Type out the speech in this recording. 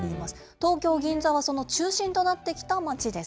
東京・銀座はその中心となってきた街です。